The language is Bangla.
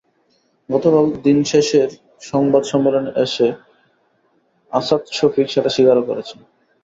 গতকাল দিন শেষের সংবাদ সম্মেলনে এসে আসাদ শফিক সেটা স্বীকারও করেছেন।